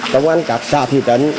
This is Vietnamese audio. công an các xã thị trấn